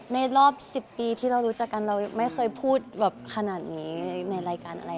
รอบ๑๐ปีที่เรารู้จักกันเราไม่เคยพูดแบบขนาดนี้ในรายการอะไร